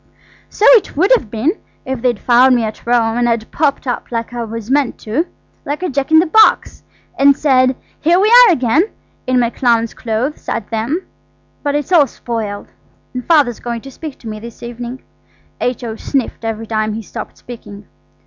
"So it would have been, if they'd found me at Rome, and I'd popped up like what I meant to–like a jack in the box–and said, 'Here we are again!' in my clown's clothes, at them. But it's all spoiled, and father's going to speak to me this evening." H.O. sniffed every time he stopped speaking.